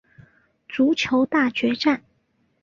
足球大决战！